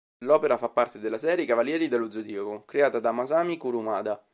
L'opera fa parte della serie "I Cavalieri dello zodiaco" creata da Masami Kurumada.